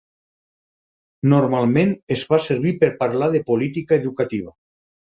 Normalment es fa servir per parlar de política educativa.